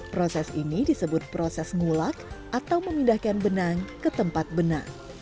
proses ini disebut proses ngulak atau memindahkan benang ke tempat benang